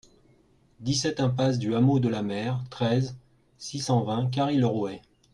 dix-sept impasse du Hameau de la Mer, treize, six cent vingt, Carry-le-Rouet